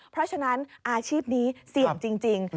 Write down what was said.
เพราะฉะนั้นอาชีพนี้เสี่ยงจริง